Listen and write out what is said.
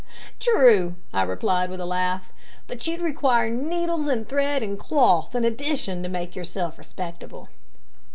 "True," I replied, with a laugh, "but you'd require needles and thread and cloth, in addition, to make yourself respectable."